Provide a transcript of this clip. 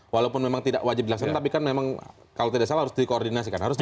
walaupun memang tidak wajib dilaksanakan tapi kan memang kalau tidak salah harus dikoordinasikan